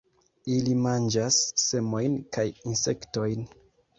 Ili manĝas semojn kaj insektojn.